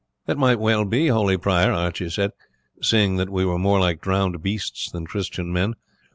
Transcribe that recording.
"That might well be, holy prior," Archie said, "seeing that we were more like drowned beasts than Christian men.